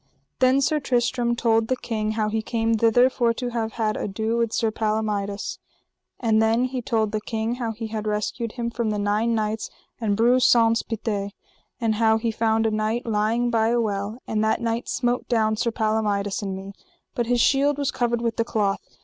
Then Sir Tristram told the king how he came thither for to have had ado with Sir Palomides. And then he told the king how he had rescued him from the nine knights and Breuse Saunce Pité; and how he found a knight lying by a well, and that knight smote down Sir Palomides and me, but his shield was covered with a cloth.